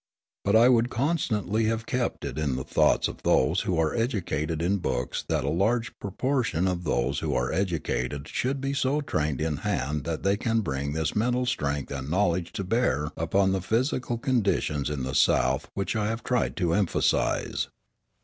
But I would constantly have it kept in the thoughts of those who are educated in books that a large proportion of those who are educated should be so trained in hand that they can bring this mental strength and knowledge to bear upon the physical conditions in the South which I have tried to emphasise.